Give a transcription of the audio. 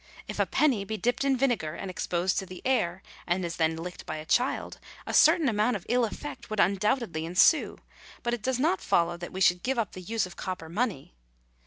If a penny be dipped in vinegar and exposed to the air, and is then licked by a child, a certain amount of ill effect would undoubtedly ensue, but it does not follow that we should give up the use of copper money.